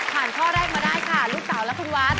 ข้อแรกมาได้ค่ะลูกสาวและคุณวัด